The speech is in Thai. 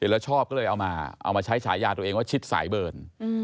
แล้วชอบก็เลยเอามาเอามาใช้ฉายาตัวเองว่าชิดสายเบิร์น